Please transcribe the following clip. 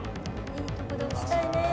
いいとこで押したいね。